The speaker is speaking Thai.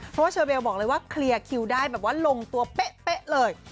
เพราะว่าเชอเบลบอกเลยว่าเคลียร์คิวได้แบบว่าลงตัวเป๊ะเลย